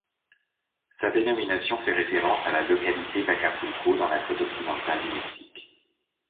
Sa dénomination fait référence à la localité d'Acapulco, dans la côte occidentale du Mexique.